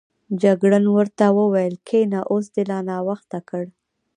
جګړن ورته وویل کېنه، اوس دې لا ناوخته کړ.